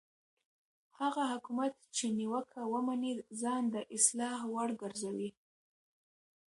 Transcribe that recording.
هغه حکومت چې نیوکه ومني ځان د اصلاح وړ ګرځوي